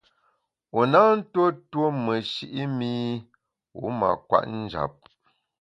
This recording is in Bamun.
Wu na ntuo tuo meshi’ mi wu mâ kwet njap.